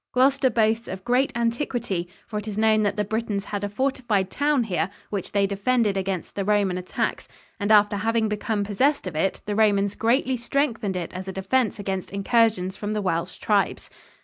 Gloucester boasts of great antiquity, for it is known that the Britons had a fortified town here which they defended against the Roman attacks; and after having become possessed of it, the Romans greatly strengthened it as a defense against incursions from the Welsh tribes.